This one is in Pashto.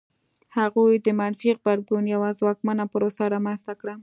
هغوی د منفي غبرګون یوه ځواکمنه پروسه رامنځته کړه.